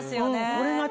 これが私